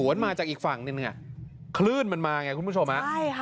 สวนมาจากอีกฝั่งเนี่ยเนี่ยคลื่นมันมาไงคุณผู้ชมนะ